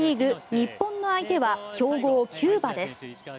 日本の相手は強豪キューバです。